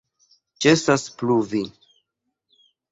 Ĉesas pluvi.